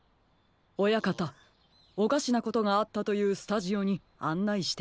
親方おかしなことがあったというスタジオにあんないしてもらえますか？